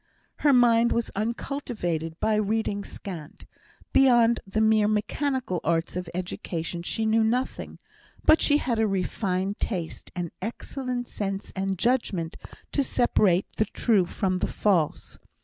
Her mind was uncultivated, her reading scant; beyond the mere mechanical arts of education she knew nothing; but she had a refined taste, and excellent sense and judgment to separate the true from the false.